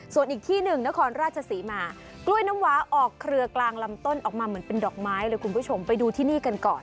ส่วนอีกที่หนึ่งนครราชศรีมากล้วยน้ำวาออกเครือกลางลำต้นออกมาเหมือนเป็นดอกไม้เลยคุณผู้ชมไปดูที่นี่กันก่อน